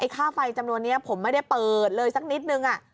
ค่าไฟจำนวนนี้ผมไม่ได้เปิดเลยสักนิดนึง